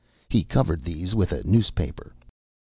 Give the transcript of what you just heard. He covered these with a newspaper.